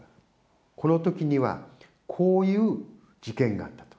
このときには、こういう事件があったと。